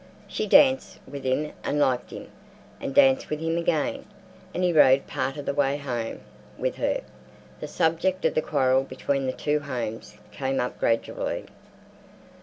She danced with him and liked him, and danced with him again, and he rode part of the way home with her. The subject of the quarrel between the two homes came up gradually.